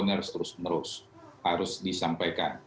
harus terus terus harus disampaikan